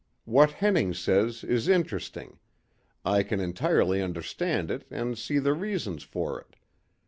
What Henning says is interesting. I can entirely understand it and see the reasons for it.